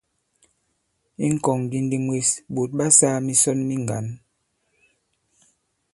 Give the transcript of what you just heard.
I ŋ̀kɔ̀ŋŋgindi mwes, ɓòt ɓa sāā misɔn mi ŋgǎn.